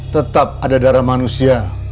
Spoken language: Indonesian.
tetap ada darah manusia